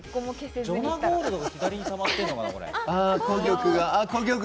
ジョナゴールドが左にたまっているのかな？